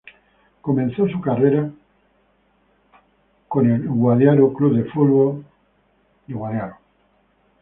Comenzó su carrera con el Orlando City de Estados Unidos.